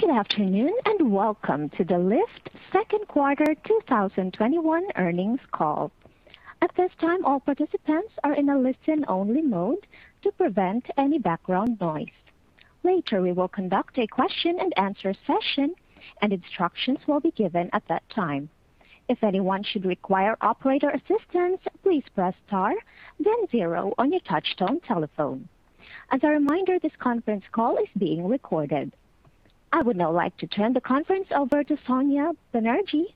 Good afternoon, and welcome to the Lyft second quarter 2021 earnings call. I would now like to turn the conference over to Sonya Banerjee,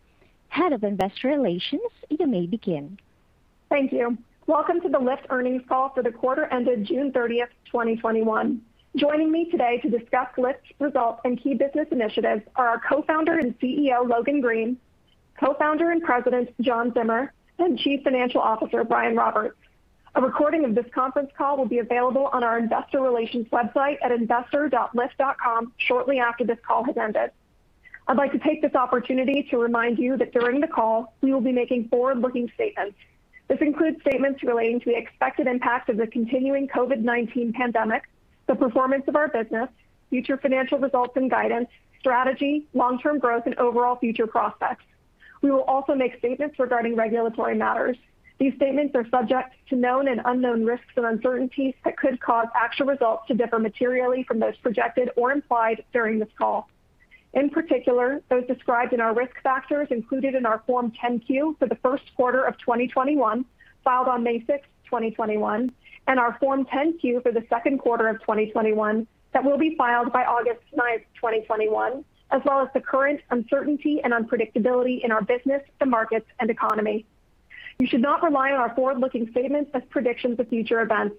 Head of Investor Relations. You may begin. Thank you. Welcome to the Lyft earnings call for the quarter ended June 30th, 2021. Joining me today to discuss Lyft's results and key business initiatives are our Co-Founder and CEO, Logan Green, Co-Founder and President, John Zimmer, and Chief Financial Officer, Brian Roberts. A recording of this conference call will be available on our investor relations website at investor.lyft.com shortly after this call has ended. I'd like to take this opportunity to remind you that during the call, we will be making forward-looking statements. This includes statements relating to the expected impact of the continuing COVID-19 pandemic, the performance of our business, future financial results and guidance, strategy, long-term growth and overall future prospects. We will also make statements regarding regulatory matters. These statements are subject to known and unknown risks or uncertainties that could cause actual results to differ materially from those projected or implied during this call. In particular, those described in our risk factors included in our Form 10-Q for the first quarter of 2021, filed on May 6th, 2021, and our Form 10-Q for the second quarter of 2021 that will be filed by August 9th, 2021, as well as the current uncertainty and unpredictability in our business, the markets, and economy. You should not rely on our forward-looking statements as predictions of future events.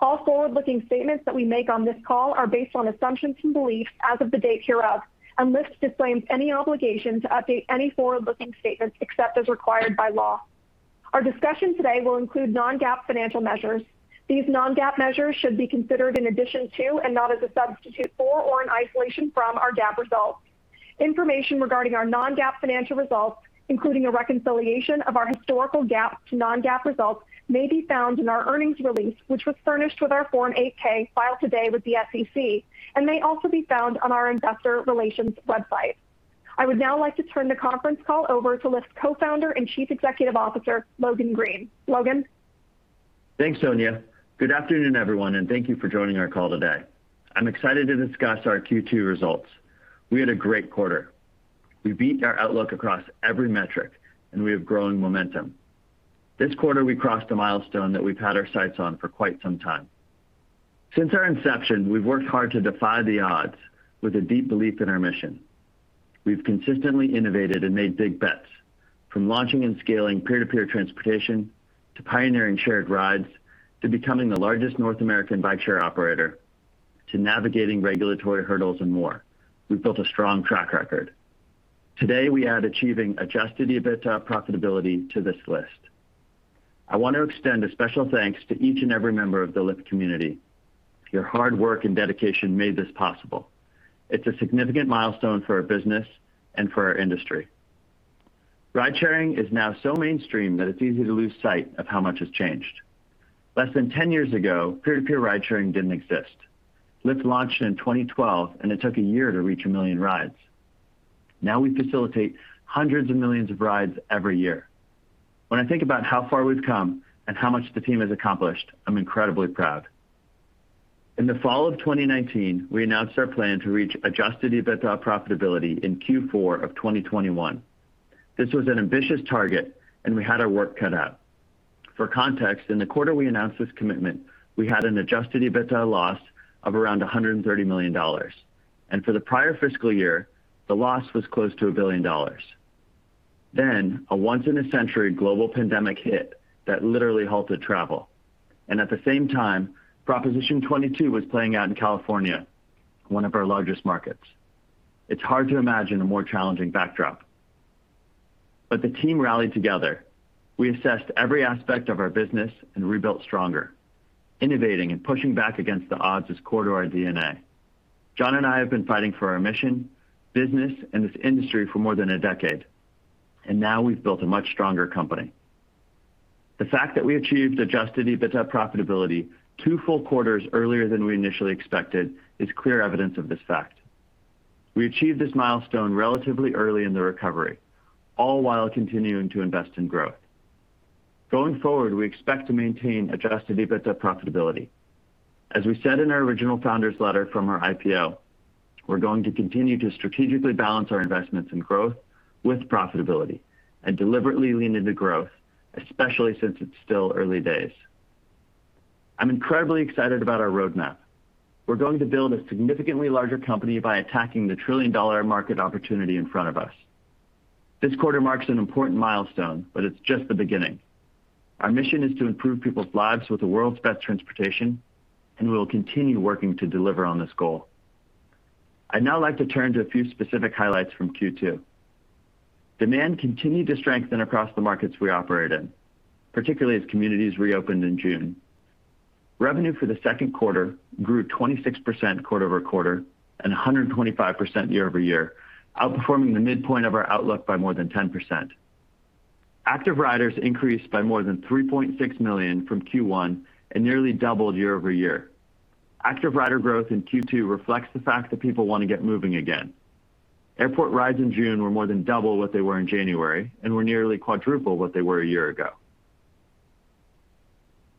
All forward-looking statements that we make on this call are based on assumptions and beliefs as of the date hereof, and Lyft disclaims any obligation to update any forward-looking statements except as required by law. Our discussion today will include non-GAAP financial measures. These non-GAAP measures should be considered in addition to and not as a substitute for or an isolation from our GAAP results. Information regarding our non-GAAP financial results, including a reconciliation of our historical GAAP to non-GAAP results, may be found in our earnings release, which was furnished with our Form 8-K filed today with the SEC and may also be found on our investor relations website. I would now like to turn the conference call over to Lyft Co-Founder and Chief Executive Officer, Logan Green. Logan? Thanks, Sonya. Good afternoon, everyone, thank you for joining our call today. I'm excited to discuss our Q2 results. We had a great quarter. We beat our outlook across every metric, and we have growing momentum. This quarter, we crossed a milestone that we've had our sights on for quite some time. Since our inception, we've worked hard to defy the odds with a deep belief in our mission. We've consistently innovated and made big bets, from launching and scaling peer-to-peer transportation, to pioneering shared rides, to becoming the largest North American bike share operator, to navigating regulatory hurdles and more. We've built a strong track record. Today, we add achieving adjusted EBITDA profitability to this list. I want to extend a special thanks to each and every member of the Lyft community. Your hard work and dedication made this possible. It's a significant milestone for our business and for our industry. Ride-sharing is now so mainstream that it's easy to lose sight of how much has changed. Less than 10 years ago, peer-to-peer ride-sharing didn't exist. Lyft launched in 2012, and it took a year to reach 1 million rides. Now we facilitate hundreds of millions of rides every year. When I think about how far we've come and how much the team has accomplished, I'm incredibly proud. In the fall of 2019, we announced our plan to reach adjusted EBITDA profitability in Q4 of 2021. This was an ambitious target, and we had our work cut out. For context, in the quarter we announced this commitment, we had an adjusted EBITDA loss of around $130 million. For the prior fiscal year, the loss was close to $1 billion. A once-in-a-century global pandemic hit that literally halted travel. At the same time, Proposition 22 was playing out in California, one of our largest markets. It's hard to imagine a more challenging backdrop. The team rallied together. We assessed every aspect of our business and rebuilt stronger. Innovating and pushing back against the odds is core to our DNA. John and I have been fighting for our mission, business, and this industry for more than a decade, now we've built a much stronger company. The fact that we achieved adjusted EBITDA profitability two full quarters earlier than we initially expected is clear evidence of this fact. We achieved this milestone relatively early in the recovery, all while continuing to invest in growth. Going forward, we expect to maintain adjusted EBITDA profitability. As we said in our original founder's letter from our IPO, we're going to continue to strategically balance our investments in growth with profitability and deliberately lean into growth, especially since it's still early days. I'm incredibly excited about our roadmap. We're going to build a significantly larger company by attacking the trillion-dollar market opportunity in front of us. This quarter marks an important milestone, but it's just the beginning. Our mission is to improve people's lives with the world's best transportation, and we will continue working to deliver on this goal. I'd now like to turn to a few specific highlights from Q2. Demand continued to strengthen across the markets we operate in, particularly as communities reopened in June. Revenue for the second quarter grew 26% quarter-over-quarter and 125% year-over-year, outperforming the midpoint of our outlook by more than 10%. Active riders increased by more than 3.6 million from Q1 and nearly doubled year-over-year. Active rider growth in Q2 reflects the fact that people want to get moving again. Airport rides in June were more than double what they were in January and were nearly quadruple what they were a year ago.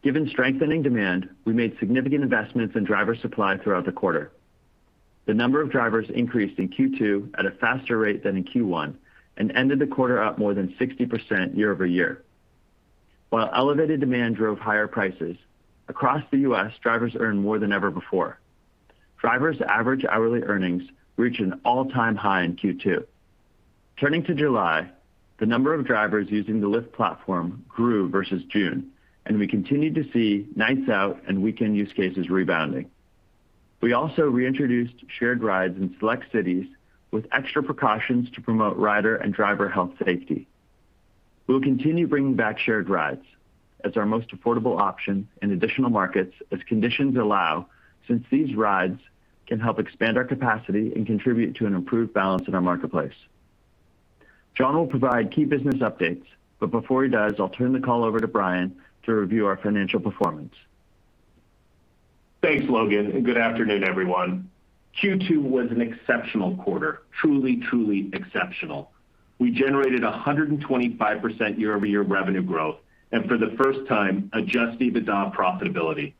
Given strengthening demand, we made significant investments in driver supply throughout the quarter. The number of drivers increased in Q2 at a faster rate than in Q1 and ended the quarter up more than 60% year-over-year. While elevated demand drove higher prices, across the U.S., drivers earned more than ever before. Drivers' average hourly earnings reached an all-time high in Q2. Turning to July, the number of drivers using the Lyft platform grew versus June, and we continued to see nights out and weekend use cases rebounding. We also reintroduced shared rides in select cities with extra precautions to promote rider and driver health safety. We will continue bringing back shared rides as our most affordable option in additional markets as conditions allow, since these rides can help expand our capacity and contribute to an improved balance in our marketplace. John will provide key business updates, but before he does, I'll turn the call over to Brian to review our financial performance. Thanks, Logan, and good afternoon, everyone. Q2 was an exceptional quarter. Truly exceptional. We generated 125% year-over-year revenue growth and for the first time, adjusted EBITDA profitability.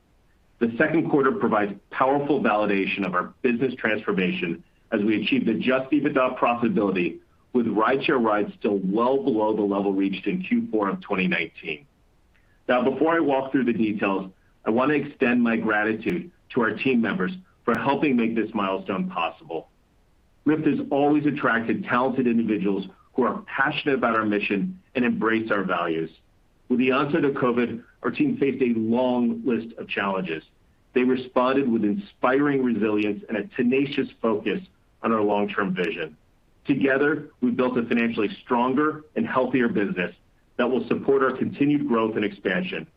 The second quarter provides powerful validation of our business transformation as we achieved adjusted EBITDA profitability with rideshare rides still well below the level reached in Q4 of 2019. Now, before I walk through the details, I want to extend my gratitude to our team members for helping make this milestone possible. Lyft has always attracted talented individuals who are passionate about our mission and embrace our values. With the onset of COVID, our team faced a long list of challenges. They responded with inspiring resilience and a tenacious focus on our long-term vision. Together, we've built a financially stronger and healthier business that will support our continued growth and expansion.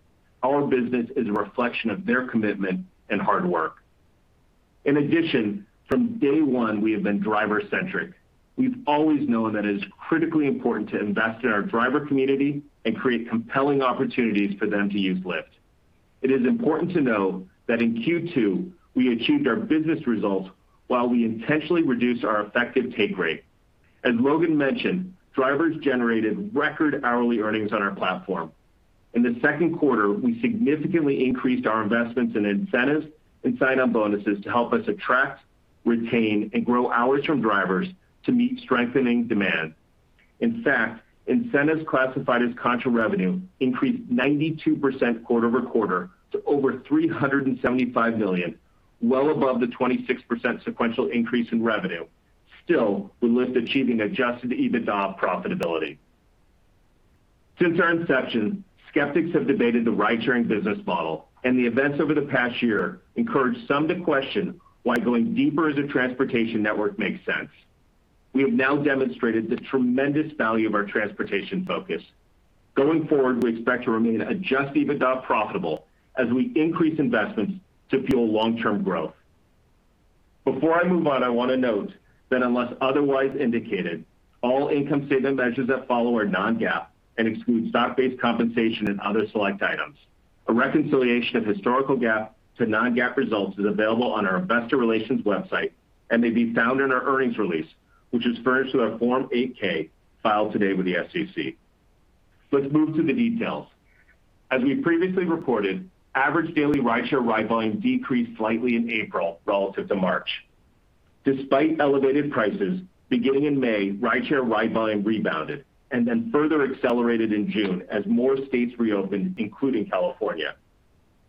Our business is a reflection of their commitment and hard work. In addition, from day one, we have been driver-centric. We've always known that it is critically important to invest in our driver community and create compelling opportunities for them to use Lyft. It is important to know that in Q2, we achieved our business results while we intentionally reduced our effective take rate. As Logan mentioned, drivers generated record hourly earnings on our platform. In the second quarter, we significantly increased our investments in incentives and sign-up bonuses to help us attract, retain, and grow hours from drivers to meet strengthening demand. In fact, incentives classified as contra revenue increased 92% quarter-over-quarter to over $375 million, well above the 26% sequential increase in revenue, still with Lyft achieving adjusted EBITDA profitability. Since our inception, skeptics have debated the ridesharing business model and the events over the past year encouraged some to question why going deeper as a transportation network makes sense. We have now demonstrated the tremendous value of our transportation focus. Going forward, we expect to remain adjusted EBITDA profitable as we increase investments to fuel long-term growth. Before I move on, I want to note that unless otherwise indicated, all income statement measures that follow are non-GAAP and exclude stock-based compensation and other select items. A reconciliation of historical GAAP to non-GAAP results is available on our investor relations website and may be found in our earnings release, which is furnished with our Form 8-K filed today with the SEC. Let's move to the details. As we previously reported, average daily rideshare ride volume decreased slightly in April relative to March. Despite elevated prices, beginning in May, rideshare ride volume rebounded and then further accelerated in June as more states reopened, including California.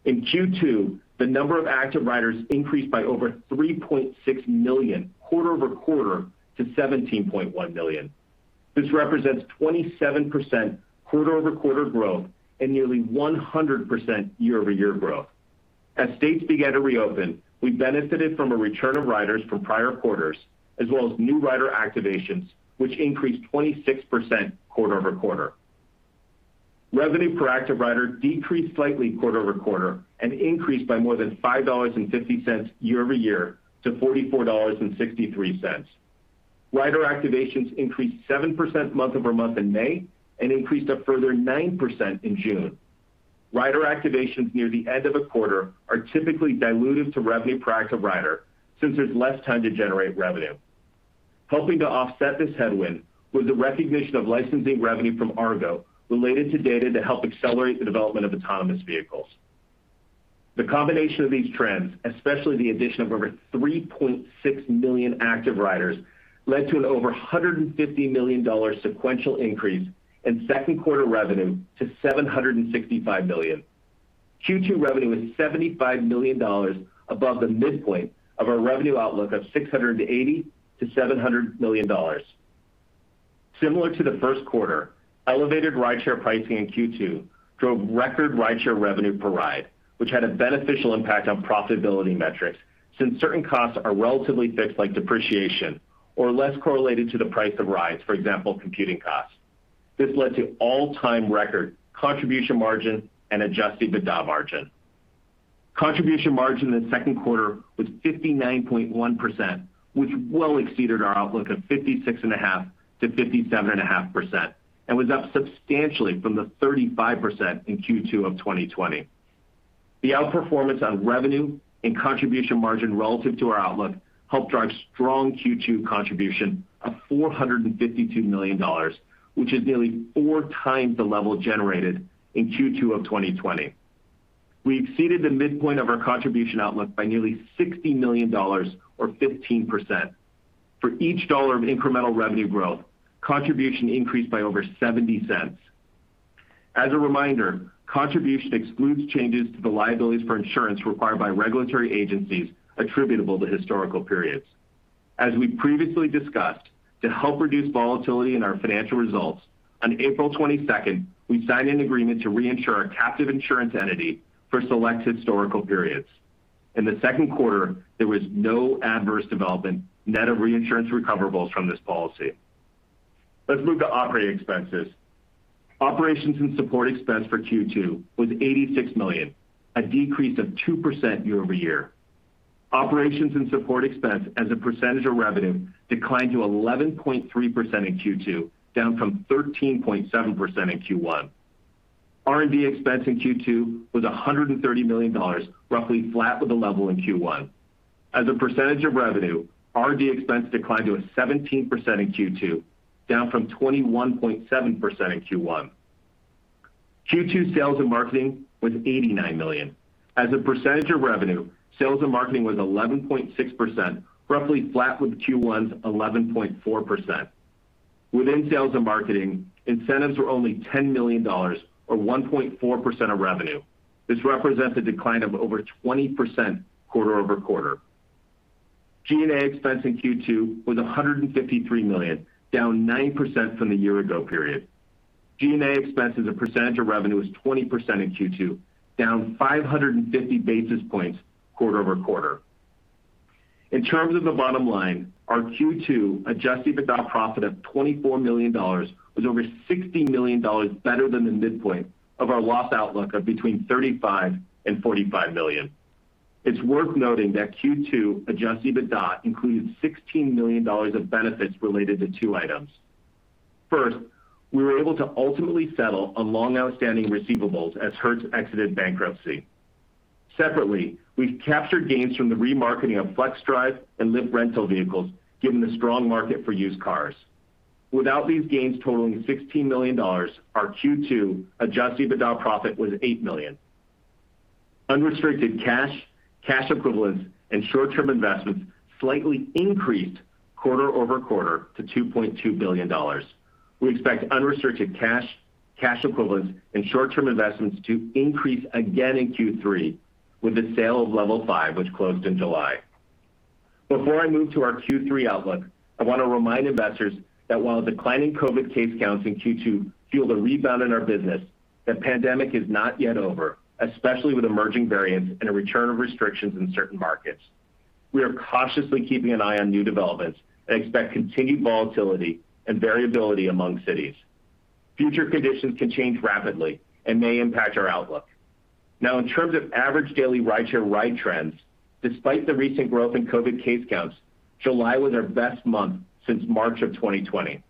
In Q2, the number of active riders increased by over 3.6 million quarter-over-quarter to 17.1 million. This represents 27% quarter-over-quarter growth and nearly 100% year-over-year growth. As states began to reopen, we benefited from a return of riders from prior quarters, as well as new rider activations, which increased 26% quarter-over-quarter. Revenue per active rider decreased slightly quarter-over-quarter and increased by more than $5.50 year-over-year to $44.63. Rider activations increased 7% month-over-month in May and increased a further 9% in June. Rider activations near the end of a quarter are typically dilutive to revenue per active rider, since there's less time to generate revenue. Helping to offset this headwind was the recognition of licensing revenue from Argo AI related to data to help accelerate the development of autonomous vehicles. The combination of these trends, especially the addition of over 3.6 million active riders, led to an over $150 million sequential increase in second quarter revenue to $765 million. Q2 revenue was $75 million above the midpoint of our revenue outlook of $680 million-$700 million. Similar to the first quarter, elevated rideshare pricing in Q2 drove record rideshare revenue per ride, which had a beneficial impact on profitability metrics since certain costs are relatively fixed, like depreciation or less correlated to the price of rides, for example, computing costs. This led to all-time record contribution margin and adjusted EBITDA margin. Contribution margin in the second quarter was 59.1%, which well exceeded our outlook of 56.5%-57.5%, and was up substantially from the 35% in Q2 of 2020. The outperformance on revenue and contribution margin relative to our outlook helped drive strong Q2 contribution of $452 million, which is nearly 4x the level generated in Q2 of 2020. We exceeded the midpoint of our contribution outlook by nearly $60 million or 15%. For each dollar of incremental revenue growth, contribution increased by over $0.70. As a reminder, contribution excludes changes to the liabilities for insurance required by regulatory agencies attributable to historical periods. As we previously discussed, to help reduce volatility in our financial results, on April 22nd, we signed an agreement to reinsure our captive insurance entity for select historical periods. In the second quarter, there was no adverse development net of reinsurance recoverables from this policy. Let's move to operating expenses. Operations and support expense for Q2 was $86 million, a decrease of 2% year-over-year. Operations and support expense as a percentage of revenue declined to 11.3% in Q2, down from 13.7% in Q1. R&D expense in Q2 was $130 million, roughly flat with the level in Q1. As a percentage of revenue, R&D expense declined to 17% in Q2, down from 21.7% in Q1. Q2 sales and marketing was $89 million. As a percentage of revenue, sales and marketing was 11.6%, roughly flat with Q1's 11.4%. Within sales and marketing, incentives were only $10 million or 1.4% of revenue. This represents a decline of over 20% quarter-over-quarter. G&A expense in Q2 was $153 million, down 9% from the year-ago period. G&A expense as a percentage of revenue was 20% in Q2, down 550 basis points quarter-over-quarter. In terms of the bottom line, our Q2 adjusted EBITDA profit of $24 million was over $60 million better than the midpoint of our loss outlook of between $35 million and $45 million. It's worth noting that Q2 adjusted EBITDA includes $16 million of benefits related to two items. First, we were able to ultimately settle on long outstanding receivables as Hertz exited bankruptcy. Separately, we've captured gains from the remarketing of Flexdrive and Lyft Rentals vehicles, given the strong market for used cars. Without these gains totaling $16 million, our Q2 adjusted EBITDA profit was $8 million. Unrestricted cash equivalents, and short-term investments slightly increased quarter-over-quarter to $2.2 billion. We expect unrestricted cash equivalents, and short-term investments to increase again in Q3 with the sale of Level 5, which closed in July. Before I move to our Q3 outlook, I want to remind investors that while declining COVID case counts in Q2 fueled a rebound in our business, the pandemic is not yet over, especially with emerging variants and a return of restrictions in certain markets. We are cautiously keeping an eye on new developments and expect continued volatility and variability among cities. Future conditions can change rapidly and may impact our outlook. In terms of average daily rideshare ride trends, despite the recent growth in COVID case counts, July was our best month since March of 2020.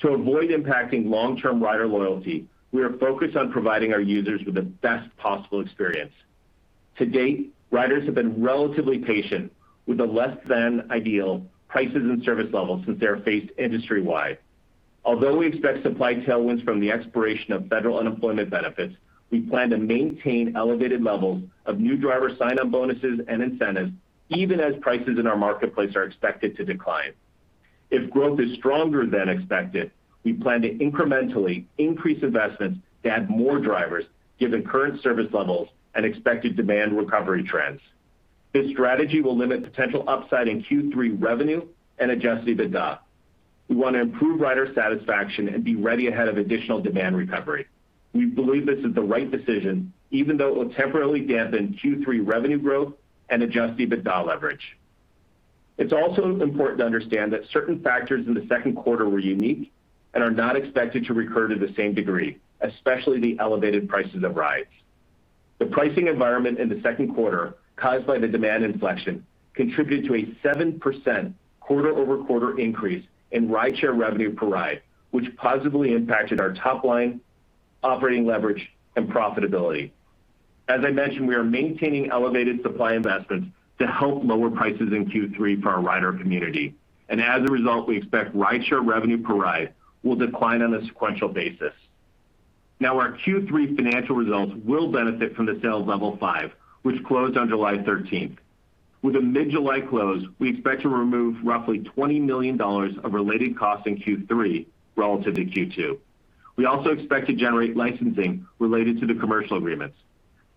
To avoid impacting long-term rider loyalty, we are focused on providing our users with the best possible experience. To date, riders have been relatively patient with the less than ideal prices and service levels since they are faced industry-wide. Although we expect supply tailwinds from the expiration of federal unemployment benefits, we plan to maintain elevated levels of new driver sign-up bonuses and incentives, even as prices in our marketplace are expected to decline. If growth is stronger than expected, we plan to incrementally increase investments to add more drivers given current service levels and expected demand recovery trends. This strategy will limit potential upside in Q3 revenue and adjusted EBITDA. We want to improve rider satisfaction and be ready ahead of additional demand recovery. We believe this is the right decision, even though it will temporarily dampen Q3 revenue growth and adjusted EBITDA leverage. It's also important to understand that certain factors in the second quarter were unique and are not expected to recur to the same degree, especially the elevated prices of rides. The pricing environment in the second quarter, caused by the demand inflection, contributed to a 7% quarter-over-quarter increase in rideshare revenue per ride, which positively impacted our top line, operating leverage, and profitability. As I mentioned, we are maintaining elevated supply investments to help lower prices in Q3 for our rider community. As a result, we expect rideshare revenue per ride will decline on a sequential basis. Our Q3 financial results will benefit from the sale of Level 5, which closed on July 13th. With a mid-July close, we expect to remove roughly $20 million of related costs in Q3 relative to Q2. We also expect to generate licensing related to the commercial agreements.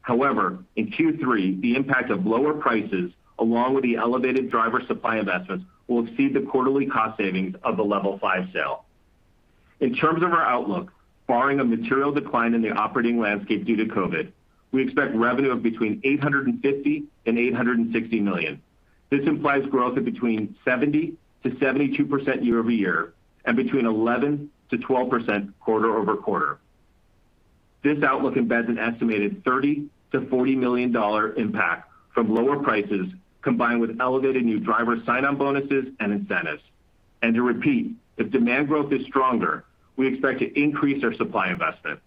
However, in Q3, the impact of lower prices, along with the elevated driver supply investments, will exceed the quarterly cost savings of the Level 5 sale. In terms of our outlook, barring a material decline in the operating landscape due to COVID, we expect revenue of between $850 million and $860 million. This implies growth of between 70%-72% year-over-year and between 11%-12% quarter-over-quarter. This outlook embeds an estimated $30 million-$40 million impact from lower prices, combined with elevated new driver sign-on bonuses and incentives. To repeat, if demand growth is stronger, we expect to increase our supply investment.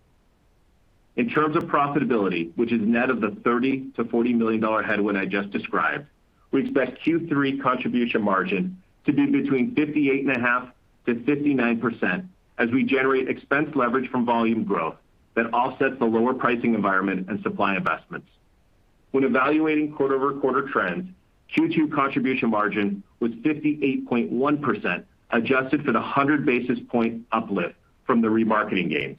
In terms of profitability, which is net of the $30 million-$40 million headwind I just described, we expect Q3 contribution margin to be between 58.5%-59% as we generate expense leverage from volume growth that offsets the lower pricing environment and supply investments. When evaluating quarter-over-quarter trends, Q2 contribution margin was 58.1%, adjusted for the 100 basis point uplift from the remarketing gains.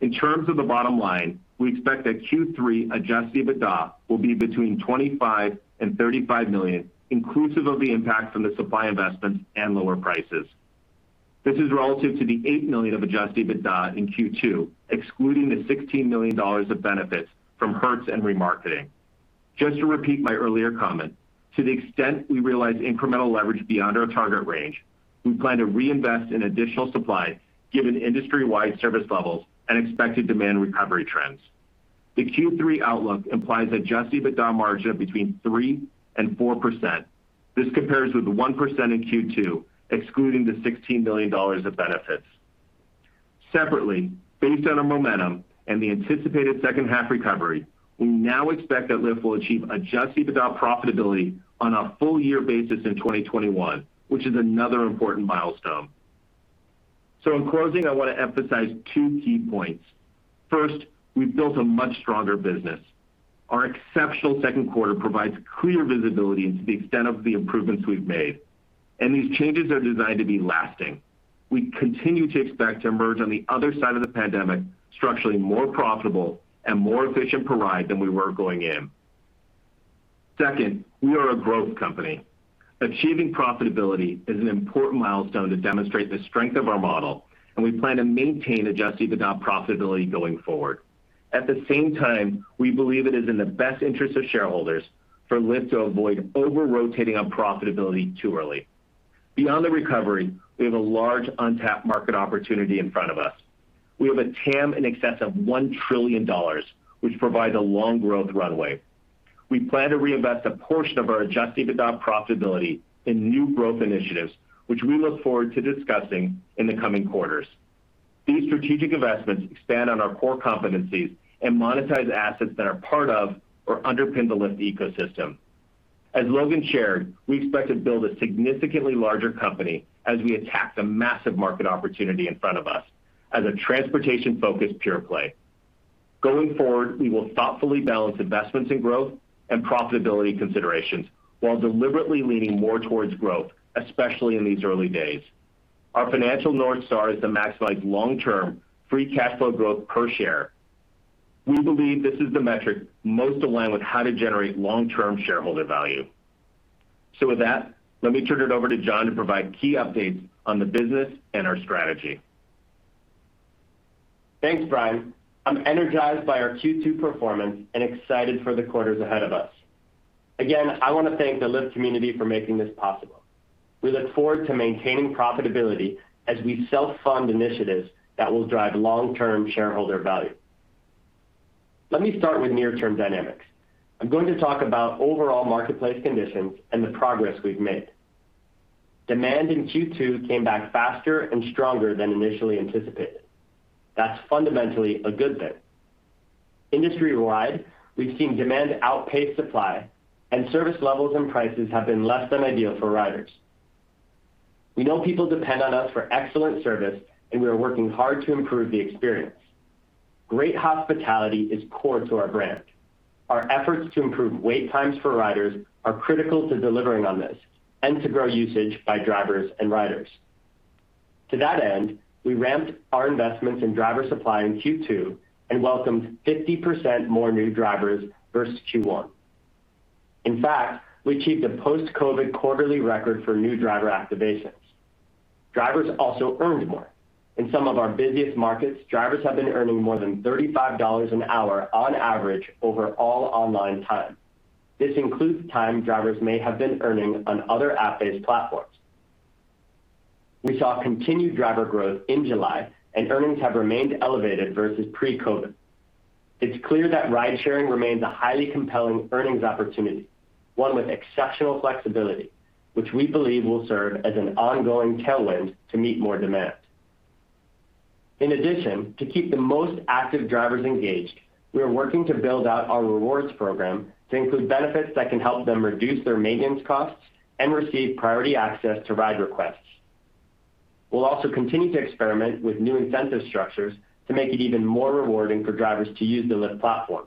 In terms of the bottom line, we expect that Q3 adjusted EBITDA will be between $25 million and $35 million, inclusive of the impact from the supply investments and lower prices. This is relative to the $8 million of adjusted EBITDA in Q2, excluding the $16 million of benefits from Hertz and remarketing. Just to repeat my earlier comment, to the extent we realize incremental leverage beyond our target range, we plan to reinvest in additional supply given industry-wide service levels and expected demand recovery trends. The Q3 outlook implies adjusted EBITDA margin of between 3% and 4%. This compares with 1% in Q2, excluding the $16 million of benefits. Separately, based on our momentum and the anticipated second half recovery, we now expect that Lyft will achieve adjusted EBITDA profitability on a full-year basis in 2021, which is another important milestone. In closing, I want to emphasize two key points. We've built a much stronger business. Our exceptional second quarter provides clear visibility into the extent of the improvements we've made, and these changes are designed to be lasting. We continue to expect to emerge on the other side of the pandemic structurally more profitable and more efficient per ride than we were going in. We are a growth company. Achieving profitability is an important milestone to demonstrate the strength of our model, and we plan to maintain adjusted EBITDA profitability going forward. At the same time, we believe it is in the best interest of shareholders for Lyft to avoid over-rotating on profitability too early. Beyond the recovery, we have a large untapped market opportunity in front of us. We have a TAM in excess of $1 trillion, which provides a long growth runway. We plan to reinvest a portion of our adjusted EBITDA profitability in new growth initiatives, which we look forward to discussing in the coming quarters. These strategic investments expand on our core competencies and monetize assets that are part of or underpin the Lyft ecosystem. As Logan shared, we expect to build a significantly larger company as we attack the massive market opportunity in front of us as a transportation-focused pure play. Going forward, we will thoughtfully balance investments in growth and profitability considerations while deliberately leaning more towards growth, especially in these early days. Our financial North Star is to maximize long-term free cash flow growth per share. We believe this is the metric most aligned with how to generate long-term shareholder value. With that, let me turn it over to John to provide key updates on the business and our strategy. Thanks, Brian. I'm energized by our Q2 performance and excited for the quarters ahead of us. Again, I want to thank the Lyft community for making this possible. We look forward to maintaining profitability as we self-fund initiatives that will drive long-term shareholder value. Let me start with near-term dynamics. I'm going to talk about overall marketplace conditions and the progress we've made. Demand in Q2 came back faster and stronger than initially anticipated. That's fundamentally a good thing. Industry-wide, we've seen demand outpace supply, and service levels and prices have been less than ideal for riders. We know people depend on us for excellent service, and we are working hard to improve the experience. Great hospitality is core to our brand. Our efforts to improve wait times for riders are critical to delivering on this and to grow usage by drivers and riders. To that end, we ramped our investments in driver supply in Q2 and welcomed 50% more new drivers versus Q1. In fact, we achieved a post-COVID quarterly record for new driver activations. Drivers also earned more. In some of our busiest markets, drivers have been earning more than $35 an hour on average over all online time. This includes time drivers may have been earning on other app-based platforms. We saw continued driver growth in July, and earnings have remained elevated versus pre-COVID. It's clear that ridesharing remains a highly compelling earnings opportunity, one with exceptional flexibility, which we believe will serve as an ongoing tailwind to meet more demand. In addition, to keep the most active drivers engaged, we are working to build out our rewards program to include benefits that can help them reduce their maintenance costs and receive priority access to ride requests. We'll also continue to experiment with new incentive structures to make it even more rewarding for drivers to use the Lyft platform.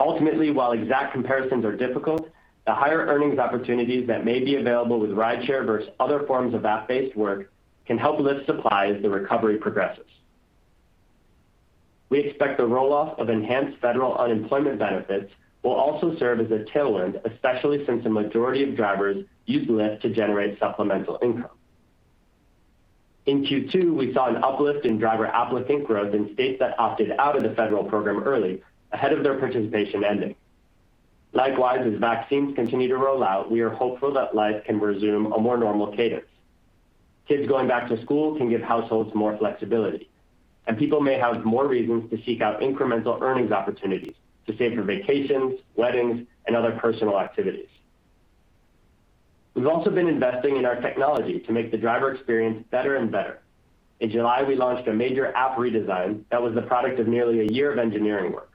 Ultimately, while exact comparisons are difficult, the higher earnings opportunities that may be available with rideshare versus other forms of app-based work can help Lyft supply as the recovery progresses. We expect the roll-off of enhanced federal unemployment benefits will also serve as a tailwind, especially since the majority of drivers use Lyft to generate supplemental income. In Q2, we saw an uplift in driver applicant growth in states that opted out of the federal program early, ahead of their participation ending. Likewise, as vaccines continue to roll out, we are hopeful that life can resume a more normal cadence. Kids going back to school can give households more flexibility, and people may have more reasons to seek out incremental earnings opportunities to save for vacations, weddings, and other personal activities. We've also been investing in our technology to make the driver experience better and better. In July, we launched a major app redesign that was the product of nearly a year of engineering work.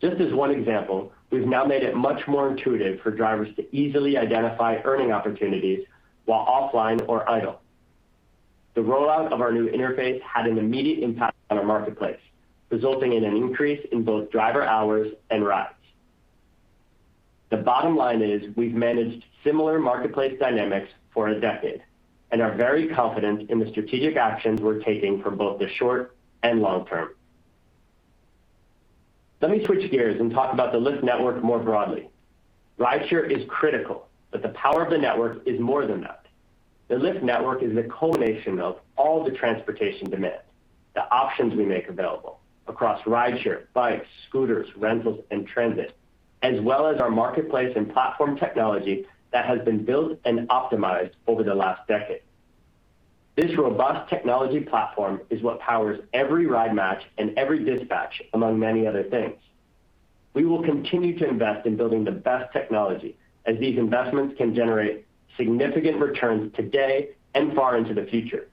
Just as one example, we've now made it much more intuitive for drivers to easily identify earning opportunities while offline or idle. The rollout of our new interface had an immediate impact on our marketplace, resulting in an increase in both driver hours and rides. The bottom line is we've managed similar marketplace dynamics for a decade and are very confident in the strategic actions we're taking for both the short and long term. Let me switch gears and talk about the Lyft network more broadly. Rideshare is critical, but the power of the network is more than that. The Lyft network is the culmination of all the transportation demand, the options we make available across rideshare, bikes, scooters, rentals, and transit, as well as our marketplace and platform technology that has been built and optimized over the last decade. This robust technology platform is what powers every ride match and every dispatch, among many other things. We will continue to invest in building the best technology as these investments can generate significant returns today and far into the future.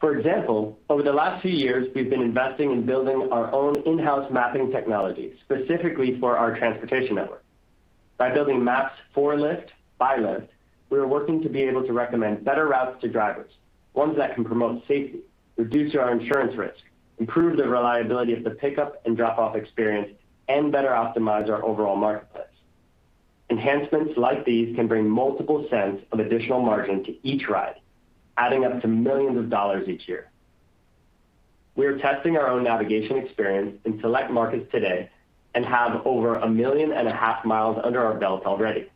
For example, over the last few years, we've been investing in building our own in-house mapping technology, specifically for our transportation network. By building maps for Lyft, by Lyft, we are working to be able to recommend better routes to drivers, ones that can promote safety, reduce our insurance risk, improve the reliability of the pickup and drop-off experience, and better optimize our overall marketplace. Enhancements like these can bring multiple cents of additional margin to each ride, adding up to millions of dollars each year. We are testing our own navigation experience in select markets today and have over 1.5 million mi under our belt already.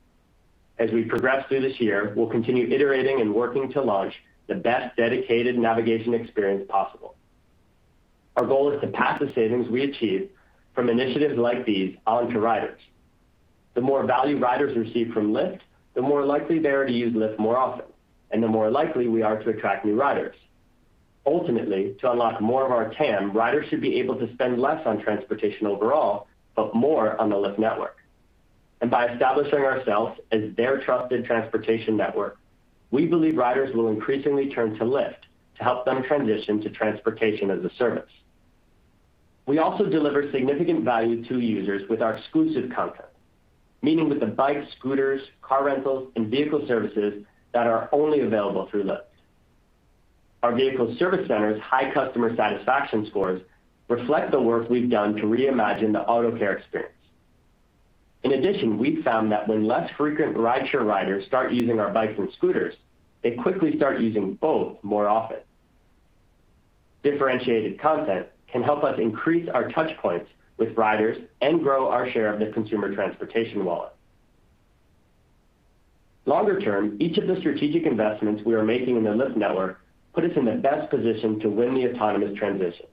As we progress through this year, we'll continue iterating and working to launch the best dedicated navigation experience possible. Our goal is to pass the savings we achieve from initiatives like these on to riders. The more value riders receive from Lyft, the more likely they are to use Lyft more often, and the more likely we are to attract new riders. Ultimately, to unlock more of our TAM, riders should be able to spend less on transportation overall, but more on the Lyft network. By establishing ourselves as their trusted transportation network, we believe riders will increasingly turn to Lyft to help them transition to transportation as a service. We also deliver significant value to users with our exclusive content, meaning with the bikes, scooters, car rentals, and vehicle services that are only available through Lyft. Our vehicle service center's high customer satisfaction scores reflect the work we've done to reimagine the auto care experience. In addition, we've found that when less frequent rideshare riders start using our bikes and scooters, they quickly start using both more often. Differentiated content can help us increase our touch points with riders and grow our share of the consumer transportation wallet. Longer term, each of the strategic investments we are making in the Lyft network put us in the best position to win the autonomous transition.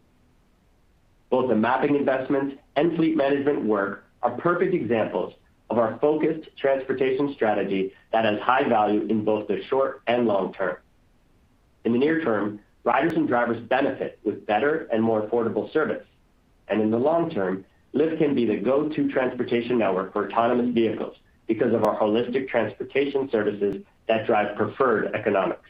Both the mapping investments and fleet management work are perfect examples of our focused transportation strategy that has high value in both the short and long term. In the near term, riders and drivers benefit with better and more affordable service. In the long term, Lyft can be the go-to transportation network for autonomous vehicles because of our holistic transportation services that drive preferred economics.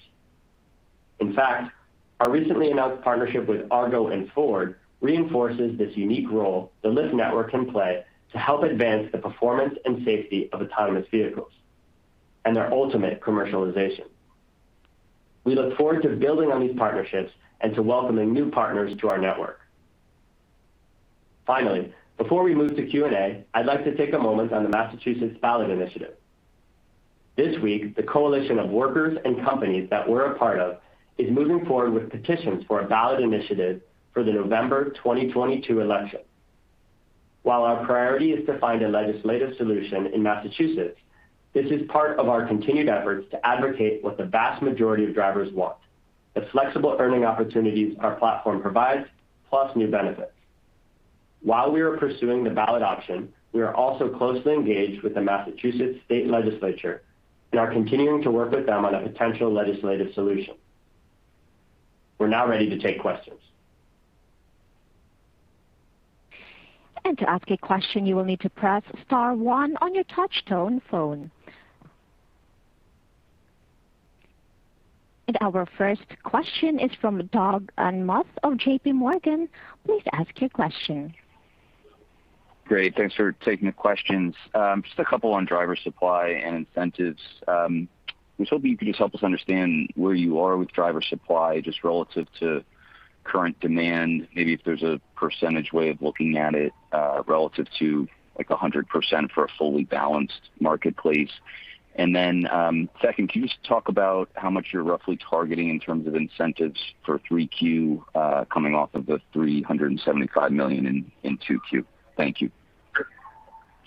In fact, our recently announced partnership with Argo and Ford reinforces this unique role the Lyft network can play to help advance the performance and safety of autonomous vehicles and their ultimate commercialization. We look forward to building on these partnerships and to welcoming new partners to our network. Finally, before we move to Q&A, I'd like to take a moment on the Massachusetts ballot initiative. This week, the coalition of workers and companies that we're a part of is moving forward with petitions for a ballot initiative for the November 2022 election. While our priority is to find a legislative solution in Massachusetts, this is part of our continued efforts to advocate what the vast majority of drivers want, the flexible earning opportunities our platform provides, plus new benefits. While we are pursuing the ballot option, we are also closely engaged with the Massachusetts state legislature and are continuing to work with them on a potential legislative solution. We're now ready to take questions. To ask a question, you will need to press star one on your touch-tone phone. Our first question is from Doug Anmuth of JPMorgan. Please ask your question. Great, thanks for taking the questions. Just a couple on driver supply and incentives. I'm just hoping you can just help us understand where you are with driver supply, just relative to current demand. Maybe if there's a percentage way of looking at it, relative to like 100% for a fully balanced marketplace. Then, second, can you just talk about how much you're roughly targeting in terms of incentives for 3Q, coming off of the $375 million in 2Q? Thank you.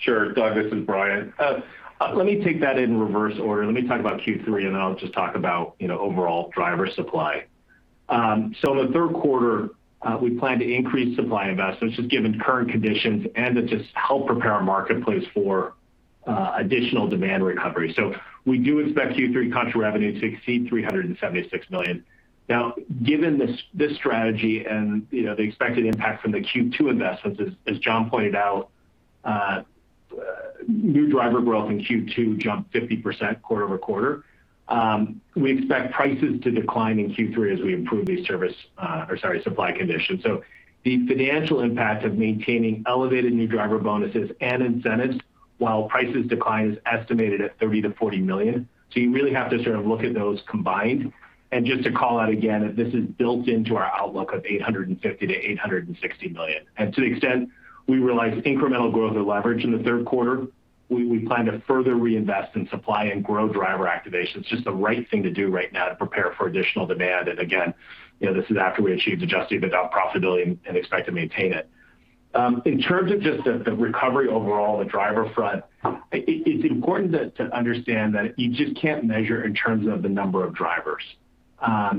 Sure. Doug, this is Brian. Let me take that in reverse order. Let me talk about Q3, and then I'll just talk about overall driver supply. In the third quarter, we plan to increase supply investments, just given current conditions and to just help prepare our marketplace for additional demand recovery. We do expect Q3 contra revenue to exceed $376 million. Now, given this strategy and the expected impact from the Q2 investments, as John pointed out, new driver growth in Q2 jumped 50% quarter-over-quarter. We expect prices to decline in Q3 as we improve these supply conditions. The financial impact of maintaining elevated new driver bonuses and incentives while prices decline is estimated at $30 million-$40 million. You really have to sort of look at those combined. Just to call out again, this is built into our outlook of $850 million-$860 million. To the extent we realize incremental growth or leverage in the third quarter, we plan to further reinvest in supply and grow driver activation. It's just the right thing to do right now to prepare for additional demand. Again, this is after we achieved adjusted EBITDA profitability and expect to maintain it. In terms of just the recovery overall, the driver front, it's important to understand that you just can't measure in terms of the number of drivers.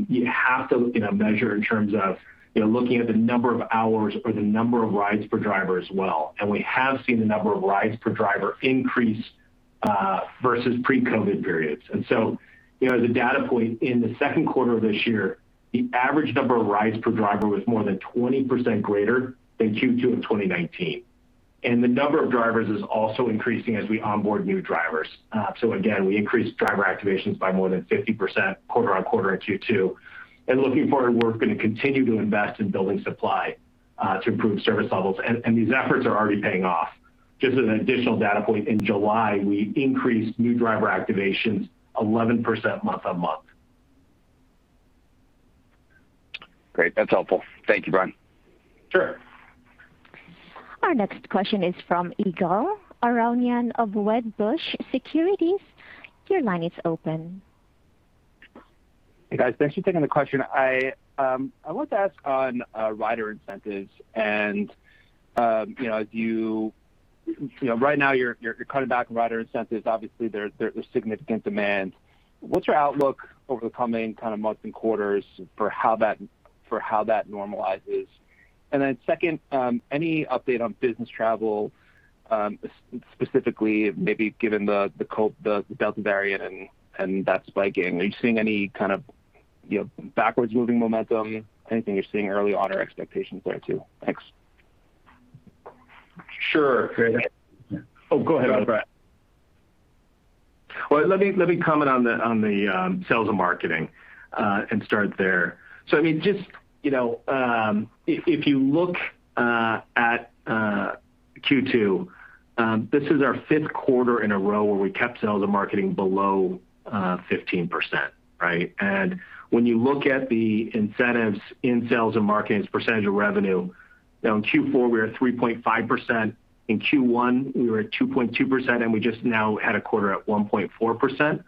You have to measure in terms of looking at the number of hours or the number of rides per driver as well. We have seen the number of rides per driver increase, versus pre-COVID periods. As a data point, in the second quarter of this year, the average number of rides per driver was more than 20% greater than Q2 of 2019. The number of drivers is also increasing as we onboard new drivers. Again, we increased driver activations by more than 50% quarter-on-quarter in Q2. Looking forward, we're going to continue to invest in building supply to improve service levels. These efforts are already paying off. Just as an additional data point, in July, we increased new driver activations 11% month-on-month. Great, that's helpful. Thank you, Brian. Sure. Our next question is from Ygal Arounian of Wedbush Securities. Your line is open. Hey, guys. Thanks for taking the question. I want to ask on rider incentives and, right now, you're cutting back rider incentives. Obviously, there's significant demand. What's your outlook over the coming months and quarters for how that normalizes? Then second, any update on business travel, specifically maybe given the Delta variant and that spiking? Are you seeing any kind of backwards-moving momentum. Anything you're seeing early on or expectations there too? Thanks. Sure. Okay. Go ahead, Brian. Well, let me comment on the sales and marketing, and start there. If you look at Q2, this is our fifth quarter in a row where we kept sales and marketing below 15%, right? When you look at the incentives in sales and marketing as a percentage of revenue, now in Q4, we are at 3.5%. In Q1, we were at 2.2%, and we just now had a quarter at 1.4%.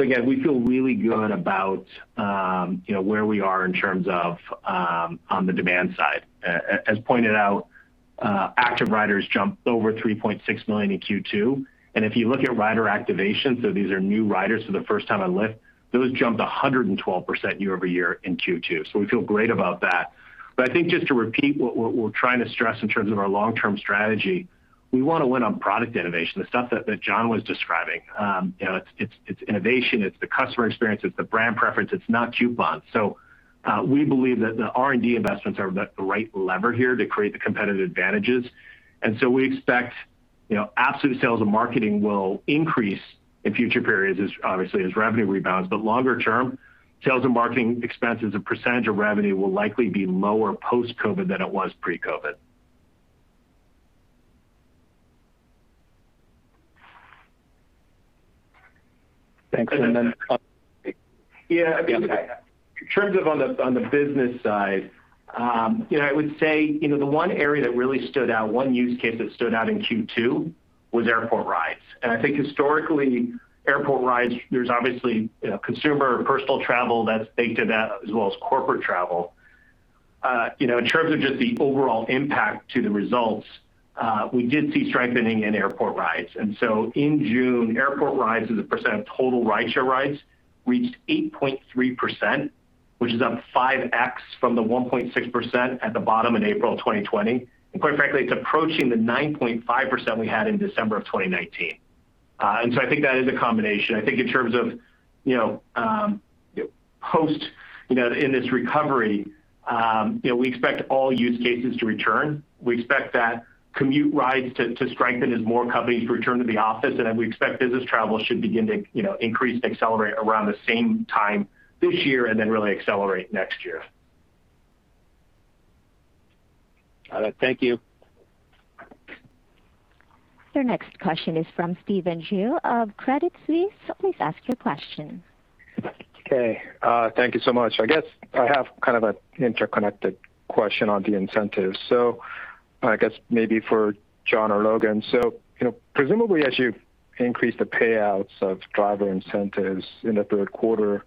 Again, we feel really good about where we are in terms of on the demand side. As pointed out, active riders jumped over 3.6 million in Q2. If you look at rider activation, so these are new riders for the first time on Lyft, those jumped 112% year-over-year in Q2. We feel great about that. I think just to repeat what we're trying to stress in terms of our long-term strategy, we want to win on product innovation, the stuff that John was describing. It's innovation, it's the customer experience, it's the brand preference. It's not coupons. So we believe that the R&D investments are the right lever here to create the competitive advantages. And so we expect absolute sales and marketing will increase in future periods as, obviously, as revenue rebounds. But longer term, sales and marketing expenses as a percentage of revenue will likely be lower post-COVID than it was pre-COVID. Thanks. Yeah. In terms of on the business side, I would say the one area that really stood out, one use case that stood out in Q2, was airport rides. I think historically, airport rides, there's obviously consumer personal travel that's baked to that, as well as corporate travel. In terms of just the overall impact to the results, we did see strengthening in airport rides. In June, airport rides as a percent of total rideshare rides reached 8.3%, which is up 5x from the 1.6% at the bottom in April 2020. Quite frankly, it's approaching the 9.5% we had in December of 2019. I think that is a combination. I think in terms of post in this recovery, we expect all use cases to return. We expect that commute rides to strengthen as more companies return to the office. We expect business travel should begin to increase and accelerate around the same time this year and then really accelerate next year. Got it, thank you. Your next question is from Stephen Ju of Credit Suisse. Please ask your question. Okay, thank you so much. I guess I have kind of an interconnected question on the incentives. I guess maybe for John or Logan. Presumably, as you increase the payouts of driver incentives in the third quarter,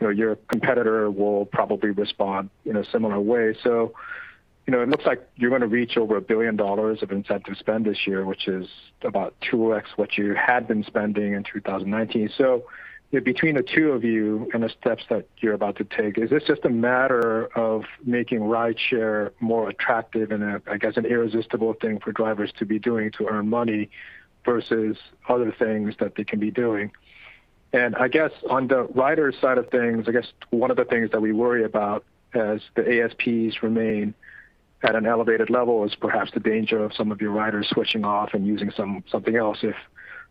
your competitor will probably respond in a similar way. It looks like you're going to reach over $1 billion of incentive spend this year, which is about 2x what you had been spending in 2019. Between the two of you and the steps that you're about to take, is this just a matter of making rideshare more attractive and, I guess, an irresistible thing for drivers to be doing to earn money versus other things that they can be doing? I guess on the rider side of things, I guess one of the things that we worry about as the ASPs remain at an elevated level is perhaps the danger of some of your riders switching off and using something else if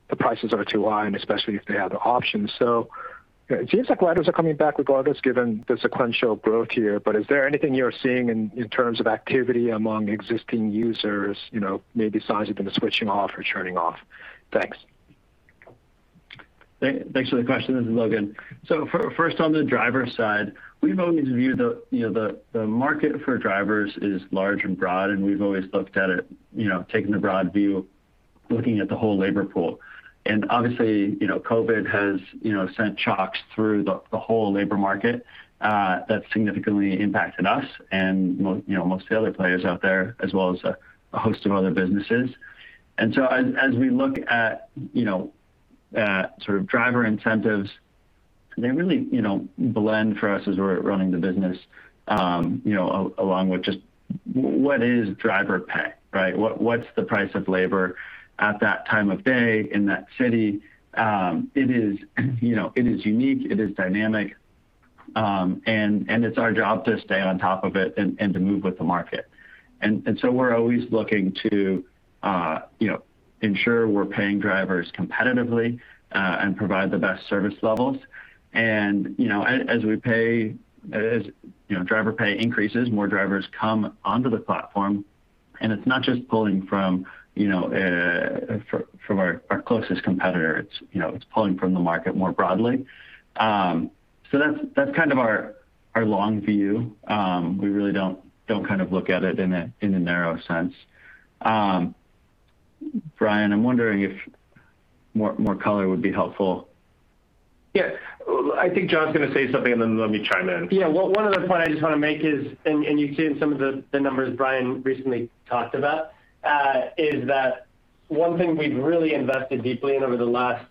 the prices are too high, and especially if they have the option. It seems like riders are coming back regardless, given the sequential growth here, but is there anything you're seeing in terms of activity among existing users, maybe signs of them switching off or churning off? Thanks. Thanks for the question, this is Logan. First, on the driver side, we've always viewed the market for drivers is large and broad. We've always looked at it, taking the broad view, looking at the whole labor pool. Obviously, COVID-19 has sent shocks through the whole labor market. That significantly impacted us and most of the other players out there, as well as a host of other businesses. As we look at driver incentives, they really blend for us as we're running the business along with just what is driver pay, right? What's the price of labor at that time of day in that city? It is unique, it is dynamic, and it's our job to stay on top of it and to move with the market. We're always looking to ensure we're paying drivers competitively and provide the best service levels. As driver pay increases, more drivers come onto the platform. It's not just pulling from our closest competitor, it's pulling from the market more broadly. That's kind of our long view. We really don't look at it in the narrow sense. Brian, I'm wondering if more color would be helpful. Yeah. I think John's going to say something, and then let me chime in. One other point I just want to make is, and you've seen some of the numbers Brian recently talked about, is that one thing we've really invested deeply in over the last,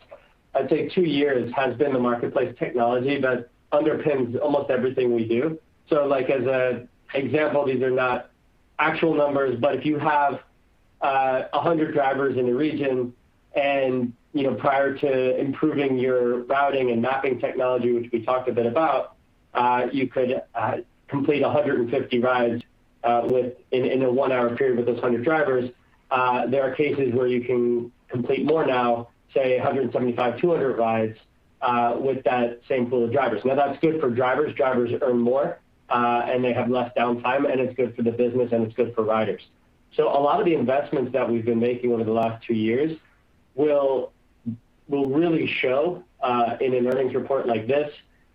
I'd say, two years has been the marketplace technology that underpins almost everything we do. As an example, these are not actual numbers, but if you have 100 drivers in a region and prior to improving your routing and mapping technology, which we talked a bit about, you could complete 150 rides in a one-hour period with those 100 drivers. There are cases where you can complete more now, say 175, 200 rides, with that same pool of drivers. That's good for drivers. Drivers earn more, and they have less downtime, and it's good for the business, and it's good for riders. A lot of the investments that we've been making over the last two years will really show in an earnings report like this,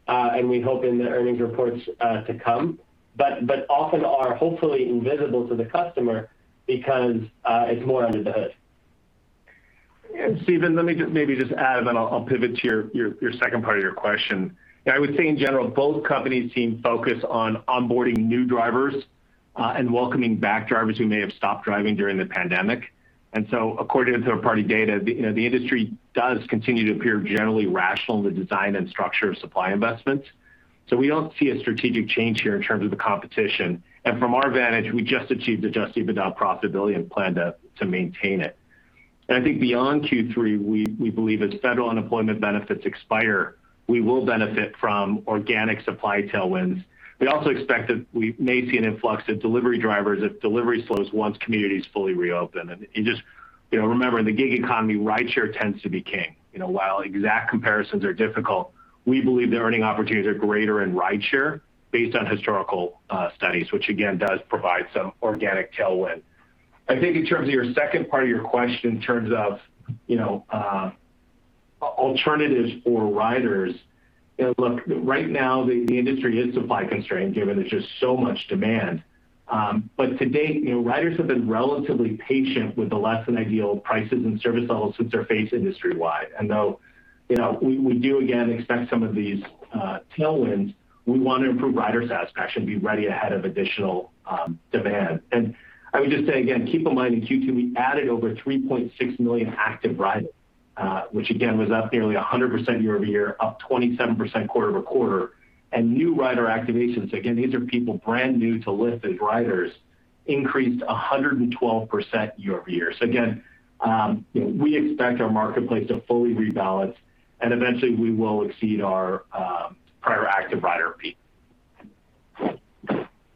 and we hope in the earnings reports to come, but often are hopefully invisible to the customer because it's more under the hood. Stephen, let me maybe just add, then I'll pivot to your second part of your question. I would say in general, both companies seem focused on onboarding new drivers, and welcoming back drivers who may have stopped driving during the pandemic. According to third-party data, the industry does continue to appear generally rational in the design and structure of supply investments. We don't see a strategic change here in terms of the competition. From our vantage, we just achieved adjusted EBITDA profitability and plan to maintain it. I think beyond Q3, we believe as federal unemployment benefits expire, we will benefit from organic supply tailwinds. We also expect that we may see an influx of delivery drivers at delivery slows once communities fully reopen. Just remember, in the gig economy, rideshare tends to be king. While exact comparisons are difficult, we believe the earning opportunities are greater in rideshare based on historical studies, which again, does provide some organic tailwind. I think in terms of your second part of your question, in terms of alternatives for riders, look, right now, the industry is supply-constrained given there's just so much demand. To date, riders have been relatively patient with the less-than-ideal prices and service levels since they're faced industry-wide. Though we do again expect some of these tailwinds, we want to improve rider satisfaction, be ready ahead of additional demand. I would just say again, keep in mind, in Q2, we added over 3.6 million active riders, which again, was up nearly 100% year-over-year, up 27% quarter-over-quarter. New rider activations, again, these are people brand new to Lyft as riders, increased 112% year-over-year. Again, we expect our marketplace to fully rebalance, and eventually we will exceed our prior active rider peak.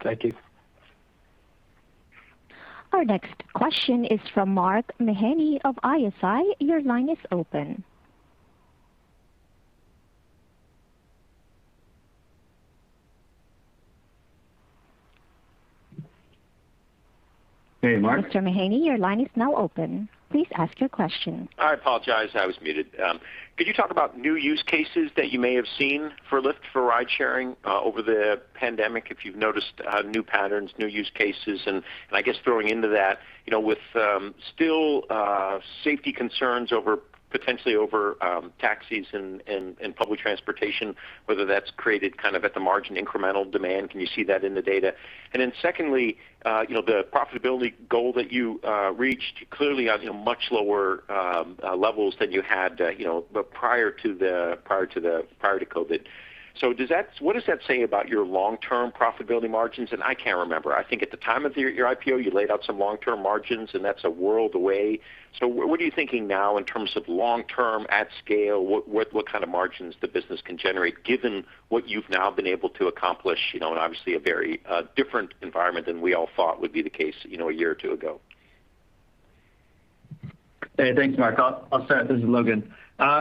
Thank you. Our next question is from Mark Mahaney of Evercore ISI. Your line is open. Hey, Mark. Mr. Mahaney, your line is now open. Please ask your question. I apologize, I was muted. Could you talk about new use cases that you may have seen for Lyft for ride-sharing over the pandemic, if you've noticed new patterns, new use cases? I guess throwing into that, with still safety concerns potentially over taxis and public transportation, whether that's created kind of at the margin incremental demand. Can you see that in the data? Secondly, the profitability goal that you reached clearly at much lower levels than you had prior to COVID. What does that say about your long-term profitability margins? I can't remember. I think at the time of your IPO, you laid out some long-term margins, and that's a world away. What are you thinking now in terms of long-term at scale? What kind of margins the business can generate given what you've now been able to accomplish, and obviously a very different environment than we all thought would be the case a year or two ago? Hey, thanks, Mark. I'll start. This is Logan.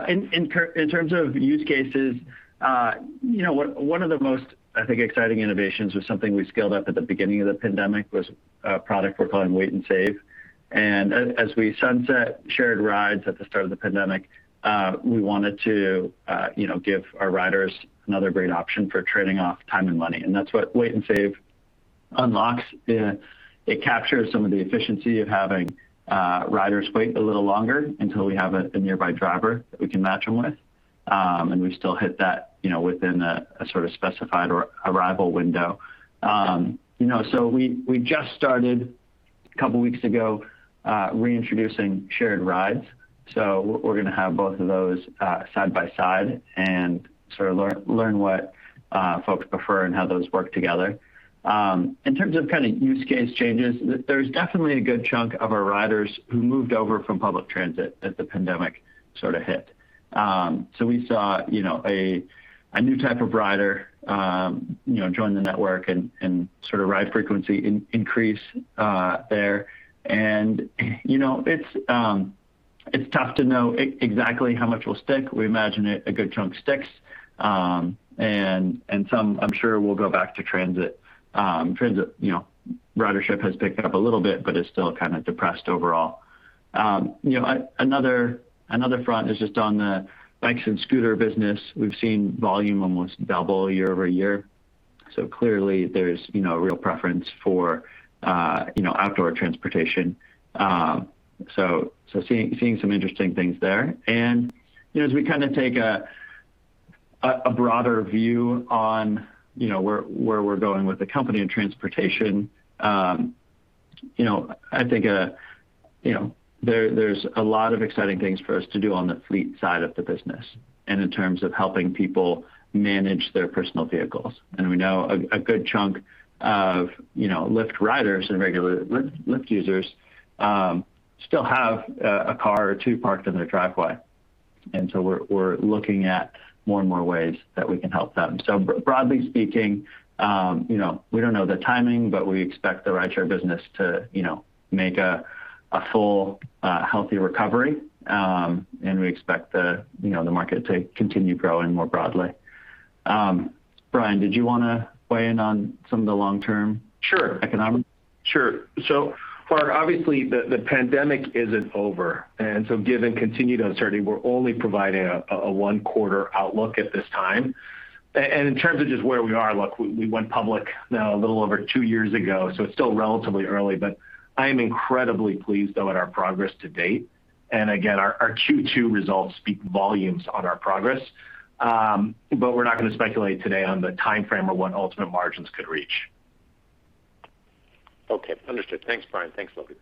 In terms of use cases, one of the most, I think, exciting innovations was something we scaled up at the beginning of the pandemic, was a product we're calling Wait & Save. As we sunset shared rides at the start of the pandemic, we wanted to give our riders another great option for trading off time and money, and that's what Wait & Save unlocks. It captures some of the efficiency of having riders wait a little longer until we have a nearby driver that we can match them with. We still hit that within a sort of specified arrival window. We just started a couple of weeks ago, reintroducing shared rides. We're going to have both of those side by side and sort of learn what folks prefer and how those work together. In terms of kind of use case changes, there's definitely a good chunk of our riders who moved over from public transit as the pandemic sort of hit. We saw a new type of rider join the network and sort of ride frequency increase there. It's tough to know exactly how much will stick. We imagine a good chunk sticks, and some, I'm sure, will go back to transit. Transit ridership has picked up a little bit, but is still kind of depressed overall. Another front is just on the bikes and scooter business. We've seen volume almost double year-over-year. Clearly there's a real preference for outdoor transportation. Seeing some interesting things there. As we kind of take a broader view on where we're going with the company and transportation, I think there's a lot of exciting things for us to do on the fleet side of the business and in terms of helping people manage their personal vehicles. We know a good chunk of Lyft riders and regular Lyft users still have a car or two parked in their driveway, and so we're looking at more and more ways that we can help them. Broadly speaking, we don't know the timing, but we expect the rideshare business to make a full, healthy recovery. We expect the market to continue growing more broadly. Brian, did you want to weigh in on some of the long-term economics? Sure. So far, obviously, the pandemic isn't over. Given continued uncertainty, we're only providing a one-quarter outlook at this time. In terms of just where we are, look, we went public now a little over two years ago, so it's still relatively early. I am incredibly pleased, though, at our progress to date. Again, our Q2 results speak volumes on our progress. We're not going to speculate today on the timeframe or what ultimate margins could reach. Okay, understood. Thanks, Brian. Thanks, Logan.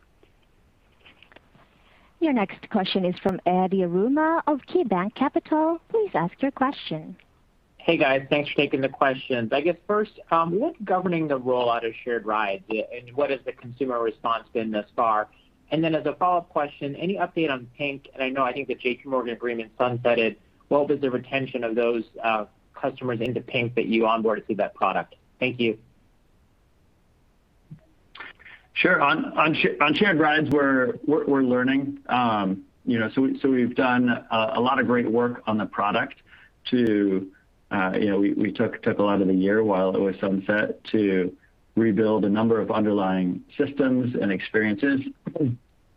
Your next question is from Ed Yruma of KeyBanc Capital. Please ask your question. Hey, guys. Thanks for taking the questions. I guess first, what's governing the rollout of shared rides? What has the consumer response been thus far? As a follow-up question, any update on Pink? I know, I think the JPMorgan agreement sunsetted. What was the retention of those customers into Pink that you onboarded through that product? Thank you. Sure. On shared rides, we're learning. We've done a lot of great work on the product. We took a lot of the year while it was sunset to rebuild a number of underlying systems and experiences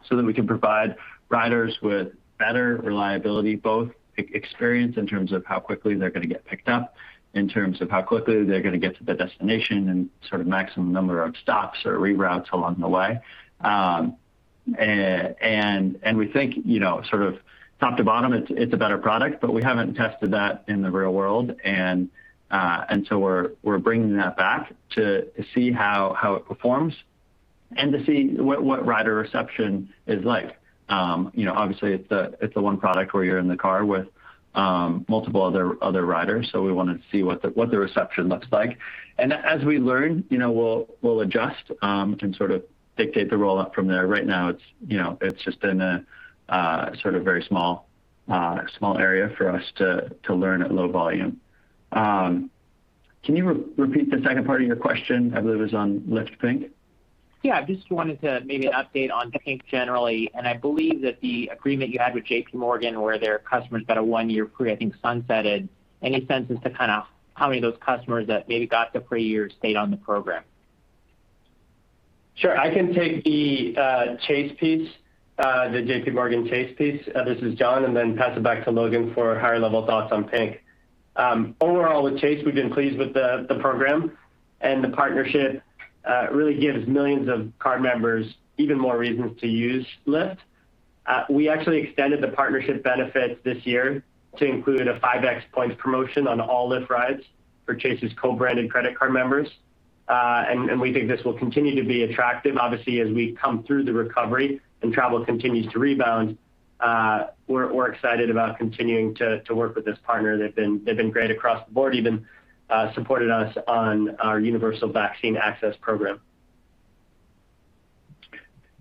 so that we can provide riders with better reliability, both experience in terms of how quickly they're going to get picked up, in terms of how quickly they're going to get to the destination, and sort of maximum number of stops or reroutes along the way. We think sort of top to bottom, it's a better product, but we haven't tested that in the real world, we're bringing that back to see how it performs and to see what rider reception is like. It's the one product where you're in the car with multiple other riders. We want to see what the reception looks like. As we learn, we'll adjust and sort of dictate the rollout from there. Right now, it's just in a sort of very small area for us to learn at low volume. Can you repeat the second part of your question? I believe it was on Lyft Pink. Yeah, just wanted to maybe an update on Pink generally. I believe that the agreement you had with JPMorgan, where their customers got a one-year free, I think sunsetted. Any sense as to kind of how many of those customers that maybe got the free year stayed on the program? Sure. I can take the Chase piece, the JPMorgan Chase piece, this is John, and then I'll pass it back to Logan for higher-level thoughts on Pink. Overall, with Chase, we've been pleased with the program and the partnership. It really gives millions of card members even more reasons to use Lyft. We actually extended the partnership benefits this year to include a 5x points promotion on all Lyft rides for Chase's co-branded credit card members. We think this will continue to be attractive. Obviously, as we come through the recovery and travel continues to rebound, we're excited about continuing to work with this partner. They've been great across the board, even supported us on our Universal Vaccine Access Program.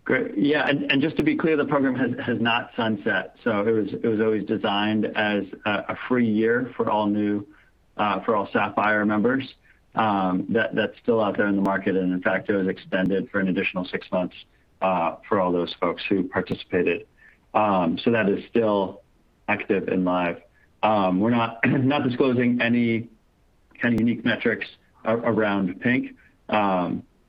Great. Yeah, and just to be clear, the program has not sunset. It was always designed as a free year for all Sapphire members. That's still out there in the market, and in fact, it was extended for an additional six months for all those folks who participated. That is still active and live. We're not disclosing any kind of unique metrics around Pink.